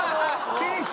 フィニッシュ！